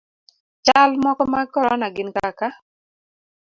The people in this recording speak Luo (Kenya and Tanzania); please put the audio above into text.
Chal moko mag korona gin kaka;